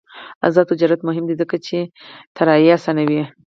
آزاد تجارت مهم دی ځکه چې الوتکې اسانوي.